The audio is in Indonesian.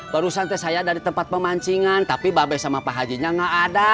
baru santai saya dari tempat pemancingan tapi babay sama pak hajinya gak ada